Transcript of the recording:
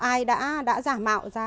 ai đã giả mạo ra